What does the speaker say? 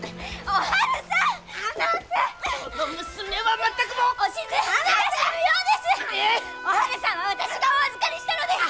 おはるさんは私がお預かりしたのです。